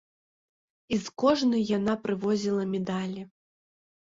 І з кожнай яна прывозіла медалі.